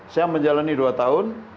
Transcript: saya menjalani dua tahun